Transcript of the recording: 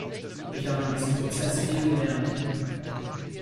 Ich habe in diesem Prozess viel gelernt.